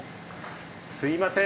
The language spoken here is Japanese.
すいません。